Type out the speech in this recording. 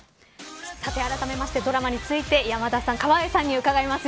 あらためてドラマについて山田さん、川栄さんに伺います。